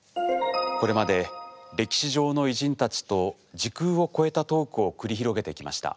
これまで歴史上の偉人たちと時空を越えたトークを繰り広げてきました。